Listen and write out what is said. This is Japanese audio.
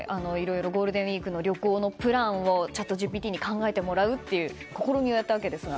ゴールデンウィークの旅行のプランをチャットＧＰＴに考えてもらう試みをやったわけですが。